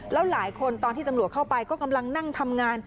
แล้วหลายคนตอนที่ตำรวจเข้าไปก็กำลังนั่งทำงาน